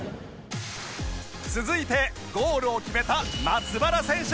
続いてゴールを決めた松原選手